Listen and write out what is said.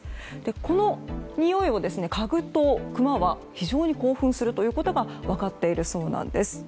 このにおいをかぐとクマは非常に興奮することが分かっているそうなんです。